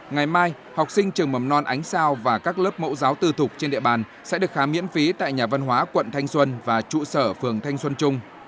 ngày mai học sinh trường mầm non ánh sao và các lớp mẫu giáo tư thục trên địa bàn sẽ được khám miễn phí tại nhà văn hóa quận thanh xuân và trụ sở phường thanh xuân trung